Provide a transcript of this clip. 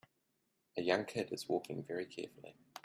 A young kid is walking very carefully.